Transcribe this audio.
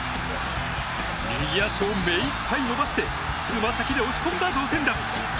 右足を目いっぱい伸ばしてつま先で押し込んだ同点弾。